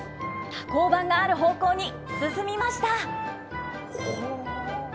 多孔板がある方向に進みました。